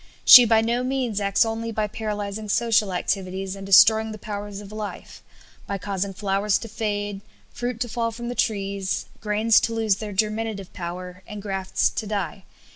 She by no means acts only by paralyzing social activities and destroying the powers of life, by causing flowers to fade, fruit to fall from the trees, grains to lose their germinative power, and grafts to die.